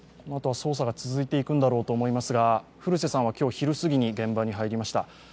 捜査が続いていくんだろうと思いますが、フルセさんは昼過ぎに現場に入りました。